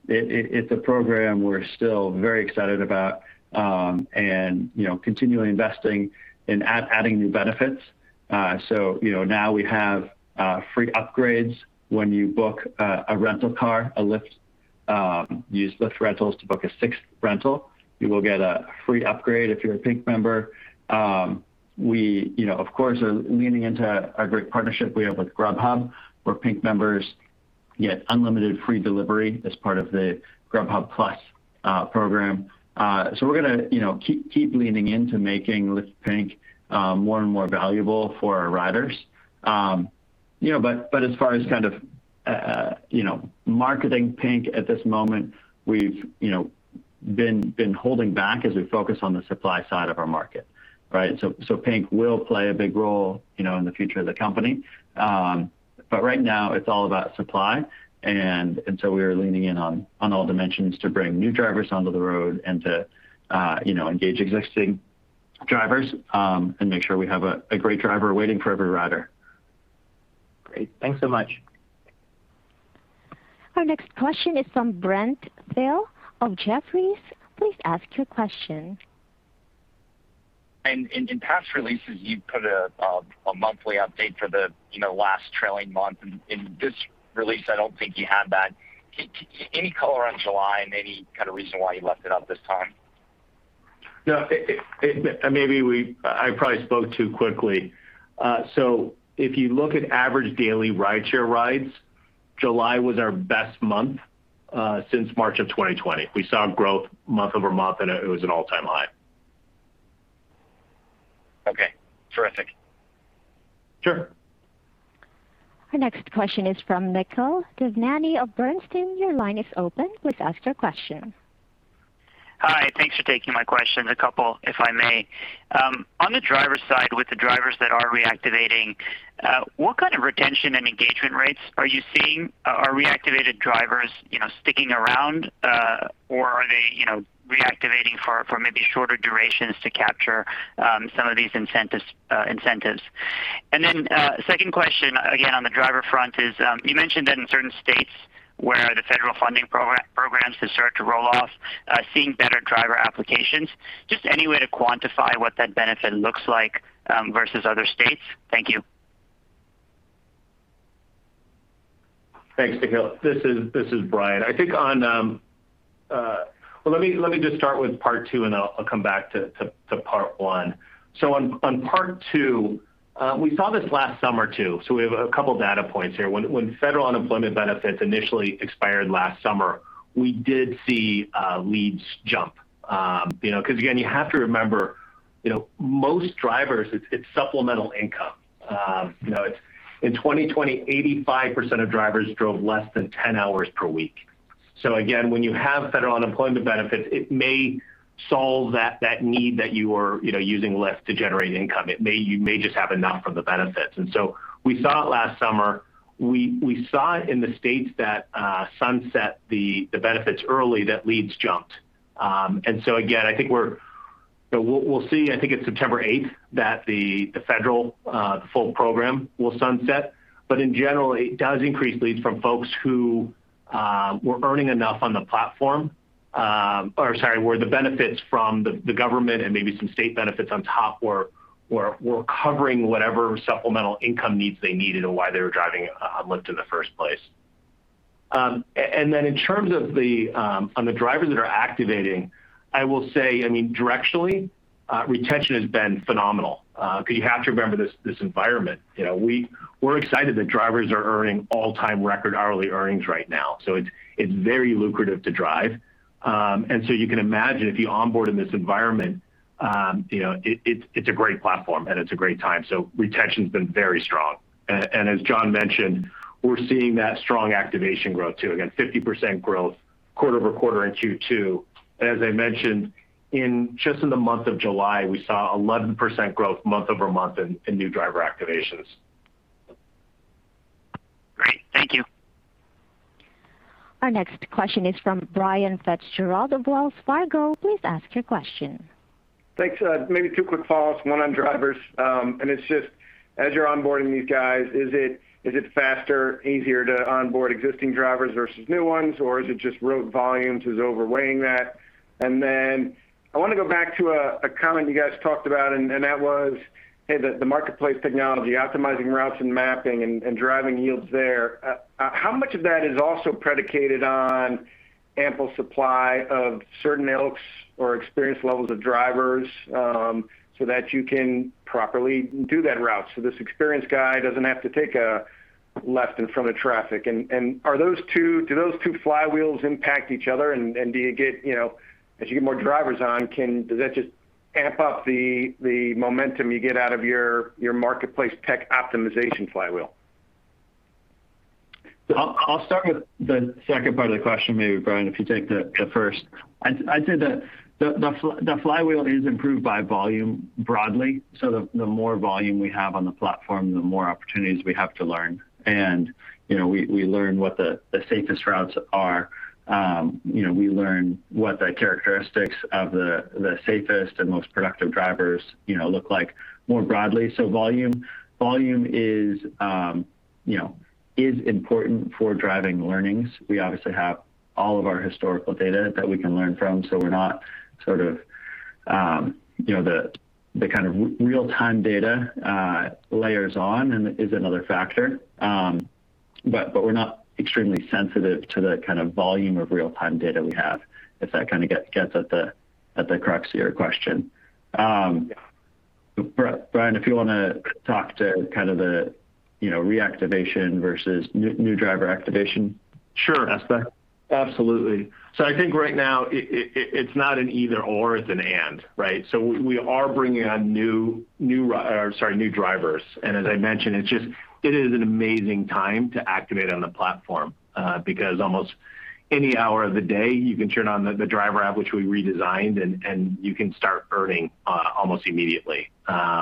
It's a program we're still very excited about, and continually investing and adding new benefits. Now we have free upgrades when you book a rental car, use Lyft Rentals to book a sixth rental, you will get a free upgrade if you're a Pink member. We, of course, are leaning into a great partnership we have with Grubhub, where Pink members get unlimited free delivery as part of the Grubhub+ program. We're going to keep leaning into making Lyft Pink more and more valuable for our riders. As far as kind of marketing Pink at this moment, we've been holding back as we focus on the supply side of our market, right? Pink will play a big role in the future of the company. Right now, it's all about supply, and we are leaning in on all dimensions to bring new drivers onto the road and to engage existing drivers, and make sure we have a great driver waiting for every rider. Great, thanks so much. Our next question is from Brent Thill of Jefferies. Please ask your question. In past releases, you've put a monthly update for the last trailing month. In this release, I don't think you had that. Any color on July and any kind of reason why you left it out this time? No, maybe I probably spoke too quickly. If you look at average daily rideshare rides, July was our best month since March of 2020. We saw growth month-over-month, and it was an all-time high. Okay, terrific. Sure. Our next question is from Nikhil Devnani of Bernstein. Your line is open. Please ask your question. Hi, thanks for taking my question. A couple, if I may. On the driver side, with the drivers that are reactivating, what kind of retention and engagement rates are you seeing? Are reactivated drivers sticking around? Are they reactivating for maybe shorter durations to capture some of these incentives? Second question, again, on the driver front is, you mentioned that in certain states where the federal funding programs have started to roll off, seeing better driver applications. Just any way to quantify what that benefit looks like versus other states? Thank you. Thanks, Nikhil. This is Brian. Well, let me just start with part two, and I'll come back to part one. On part two, we saw this last summer, too. We have a couple data points here. When federal unemployment benefits initially expired last summer, we did see leads jump. Because again, you have to remember, most drivers, it's supplemental income. In 2020, 85% of drivers drove less than 10 hours per week. Again, when you have federal unemployment benefits, it may solve that need that you were using Lyft to generate income. You may just have enough from the benefits. We saw it last summer. We saw it in the states that sunset the benefits early, that leads jumped. Again, we'll see, I think it's September 8th that the federal full program will sunset. In general, it does increase leads from folks who were earning enough on the platform, or, sorry, where the benefits from the government and maybe some state benefits on top were covering whatever supplemental income needs they needed and why they were driving on Lyft in the first place. In terms of on the drivers that are activating, I will say, directionally, retention has been phenomenal. You have to remember this environment. We're excited that drivers are earning all-time record hourly earnings right now. It's very lucrative to drive. You can imagine, if you onboard in this environment, it's a great platform and it's a great time. Retention's been very strong. As John mentioned, we're seeing that strong activation growth, too. Again, 50% growth quarter-over-quarter in Q2. As I mentioned, just in the month of July, we saw 11% growth month-over-month in new driver activations. Great, thank you. Our next question is from Brian Fitzgerald of Wells Fargo. Please ask your question. Thanks. Maybe two quick follows, one on drivers. It's just as you're onboarding these guys, is it faster, easier to onboard existing drivers versus new ones? Or is it just road volumes is over-weighing that? Then I want to go back to a comment you guys talked about, and that was, hey, the marketplace technology, optimizing routes and mapping and driving yields there. How much of that is also predicated on ample supply of certain ilks or experience levels of drivers, so that you can properly do that route? This experienced guy doesn't have to take a left in front of traffic. Do those two flywheels impact each other? As you get more drivers on, does that just amp up the momentum you get out of your marketplace tech optimization flywheel? I'll start with the second part of the question, maybe, Brian, if you take the first. I'd say the flywheel is improved by volume broadly. The more volume we have on the platform, the more opportunities we have to learn. We learn what the safest routes are. We learn what the characteristics of the safest and most productive drivers look like more broadly. Volume is important for driving learnings. We obviously have all of our historical data that we can learn from, so we're not sort of the kind of real-time data layers on and is another factor. We're not extremely sensitive to the kind of volume of real-time data we have, if that kind of gets at the crux of your question. Brian, if you want to talk to kind of the reactivation versus new driver activation aspect. Sure. Absolutely. I think right now it's not an either/or, it's an and. We are bringing on new drivers. As I mentioned, it is an amazing time to activate on the platform, because almost any hour of the day, you can turn on the driver app, which we redesigned, and you can start earning almost immediately,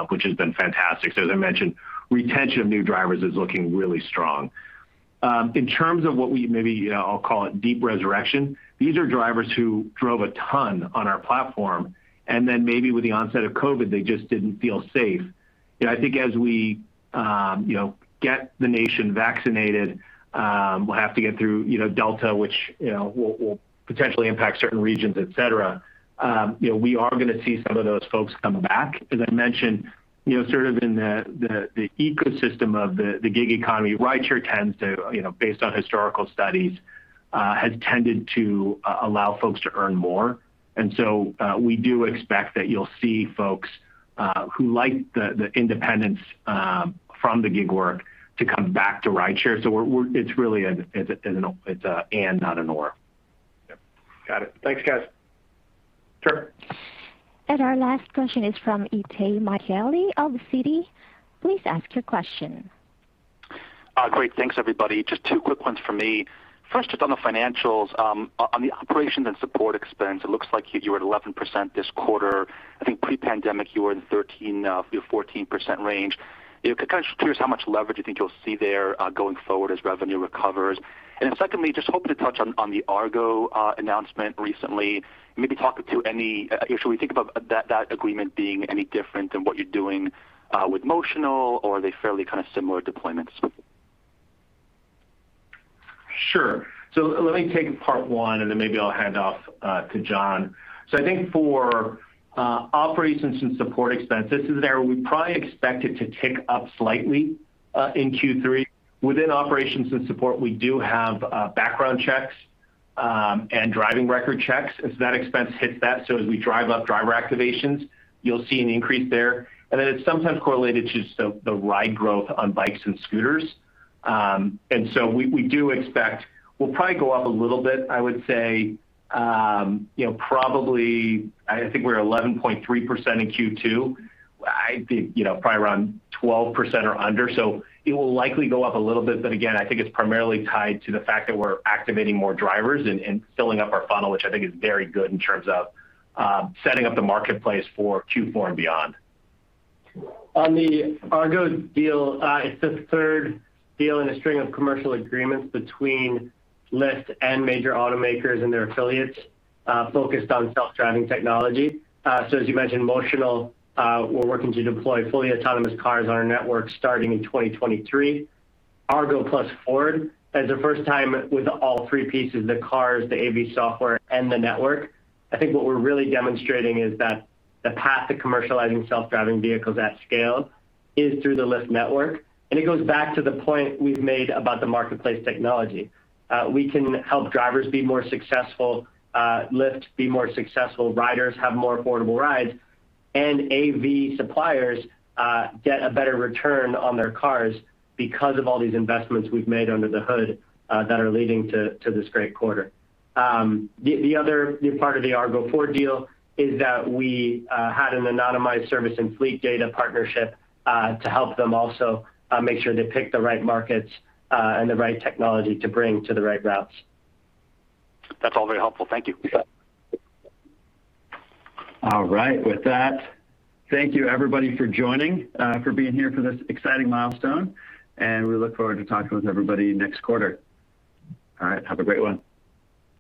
which has been fantastic. As I mentioned, retention of new drivers is looking really strong. In terms of what we, maybe I'll call it deep resurrection, these are drivers who drove a ton on our platform, and then maybe with the onset of COVID-19, they just didn't feel safe. I think as we get the nation vaccinated, we'll have to get through Delta, which will potentially impact certain regions, etc. We are going to see some of those folks come back. As I mentioned, sort of in the ecosystem of the gig economy, rideshare tends to, based on historical studies, has tended to allow folks to earn more. We do expect that you'll see folks who like the independence from the gig work to come back to rideshare. It's really an and, not an or. Yep, got it. Thanks, guys. Sure. Our last question is from Itay Michaeli of Citi. Please ask your question. Great. Thanks everybody. Just two quick ones from me. First, just on the financials, on the operations and support expense, it looks like you were at 11% this quarter. I think pre-pandemic you were in 13%-14% range. Kind of curious how much leverage you think you'll see there going forward as revenue recovers. Secondly, just hoping to touch on the Argo announcement recently. Maybe talk to any, should we think about that agreement being any different than what you're doing with Motional, or are they fairly kind of similar deployments? Sure. Let me take part one and then maybe I'll hand off to John. I think for operations and support expense, this is the area we probably expect it to tick up slightly, in Q3. Within operations and support, we do have background checks, and driving record checks as that expense hits that. As we drive up driver activations, you'll see an increase there. It's sometimes correlated to the ride growth on bikes and scooters. We do expect we'll probably go up a little bit, I would say, probably I think we're 11.3% in Q2. Probably around 12% or under. It will likely go up a little bit. I think it's primarily tied to the fact that we're activating more drivers and filling up our funnel, which I think is very good in terms of setting up the marketplace for Q4 and beyond. On the Argo deal, it's the third deal in a string of commercial agreements between Lyft and major automakers and their affiliates, focused on self-driving technology. As you mentioned, Motional, we're working to deploy fully autonomous cars on our network starting in 2023. Argo plus Ford is the first time with all three pieces, the cars, the AV software, and the network. I think what we're really demonstrating is that the path to commercializing self-driving vehicles at scale is through the Lyft network. It goes back to the point we've made about the marketplace technology. We can help drivers be more successful, Lyft be more successful, riders have more affordable rides, and AV suppliers get a better return on their cars because of all these investments we've made under the hood, that are leading to this great quarter. The other new part of the Argo-Ford deal is that we had an anonymized service and fleet data partnership to help them also make sure they pick the right markets, and the right technology to bring to the right routes. That's all very helpful. Thank you. You bet. All right. With that, thank you everybody for joining, for being here for this exciting milestone, and we look forward to talking with everybody next quarter. All right. Have a great one.